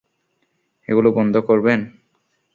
এগুলো বন্ধ করবেন?